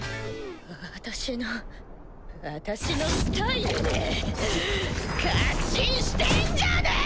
私の私のスタイルで確信してんじゃねぇ‼